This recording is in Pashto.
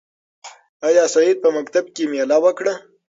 آیا سعید په مکتب کې مېله وکړه؟